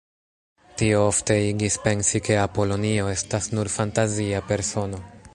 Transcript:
Tio ofte igis pensi, ke Apolonio estas nur fantazia persono.